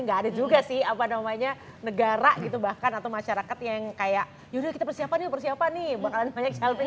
enggak ada juga sih apa namanya negara gitu bahkan atau masyarakat yang kayak yudah kita persiapan nih persiapan nih bakalan banyak child free ini